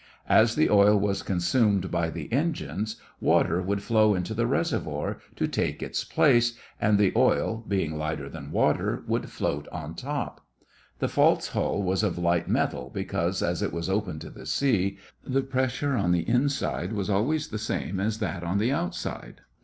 As the oil was consumed by the engines, water would flow into the reservoir to take its place, and the oil, being lighter than water, would float on top. The false hull was of light metal, because as it was open to the sea, the pressure on the inside was always the same as that on the outside.